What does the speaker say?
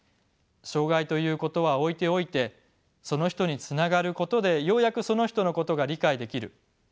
障がいということは置いておいてその人につながることでようやくその人のことが理解できる。